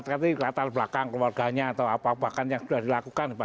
ternyata di latar belakang keluarganya atau apa apa yang sudah dilakukan